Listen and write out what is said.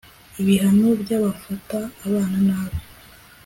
ibihano by'abafata abana nabi